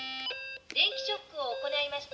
「電気ショックを行いました。